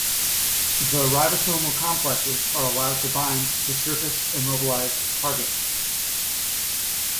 The ribosomal complexes are allowed to bind to surface-immobilized target.